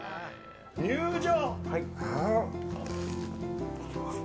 入場！